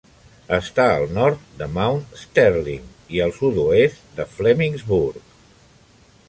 Està al nord de Mount Sterling i al sud-oest de Flemingsburg.